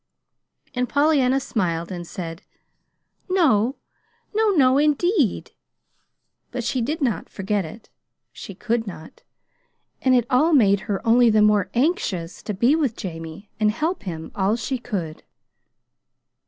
And Pollyanna smiled, and said: "No, no no, indeed!" But she did not "forget it." She could not. And it all made her only the more anxious to be with Jamie and help him all she could.